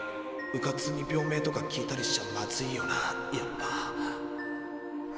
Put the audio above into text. うかつに病名とか聞いたりしちゃまずいよなやっぱ。